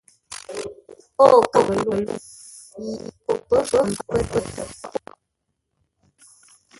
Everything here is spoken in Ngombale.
O kaməluŋ yi o pə̌ fəm pətə́ pôghʼ.